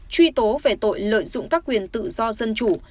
truy tố về tội lợi dụng các quyền tự do dân chủ